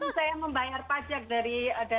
tapi saya membayar pajak dari dua ribu tujuh belas